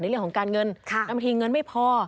เรื่องของการเงินแล้วบางทีเงินไม่พอ